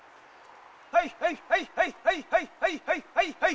はいはいはいはいはいはいはいはい！